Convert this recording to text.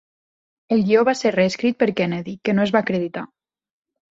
El guió va ser reescrit per Kennedy, que no es va acreditar.